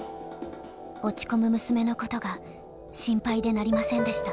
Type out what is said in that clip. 落ち込む娘のことが心配でなりませんでした。